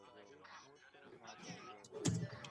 هغوی په تېرو سياسي پېښو بحث کوي.